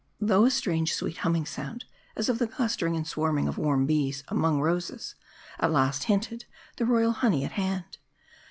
Though a strange, sweet, humming sound, as of the cluster ing and swarming of Warm bees among roses, at last hinted the royal honey at hand.